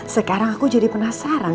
sekarang aku jadi penasaran